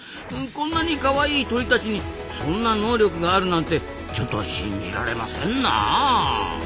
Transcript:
こんなにカワイイ鳥たちにそんな能力があるなんてちょっと信じられませんなあ。